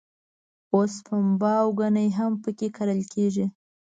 اوس پنبه او ګني هم په کې کرل کېږي.